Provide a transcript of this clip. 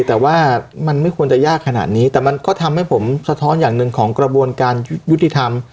แต่ว่ามันไม่ควรจะยากขนาดนี้แต่มันก็ทำให้ผมสะท้อนอย่างหนึ่งของกระบวนการยุติธรรม